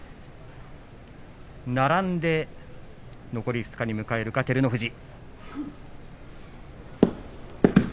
並んで残り２日に向かえるか照ノ富士。